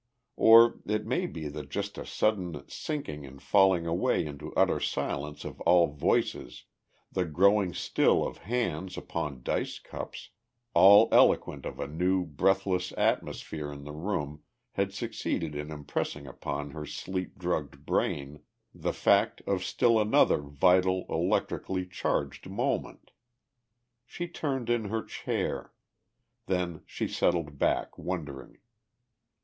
Or it may be that just a sudden sinking and falling away into utter silence of all voices, the growing still of hands upon dice cups, all eloquent of a new breathless atmosphere in the room had succeeded in impressing upon her sleep drugged brain the fact of still another vital, electrically charged moment. She turned in her chair. Then she settled back, wondering.